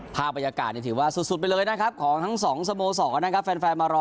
ภาพบรรยากาศนี่ถือว่าสุดไปเลยนะครับของทั้งสองสโมสรนะครับแฟนมารอ